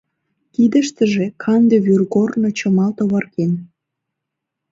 Кидыштыже канде вӱргорно чымалт оварген.